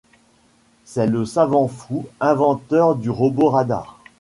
C'est le savant fou, inventeur du robot Radar.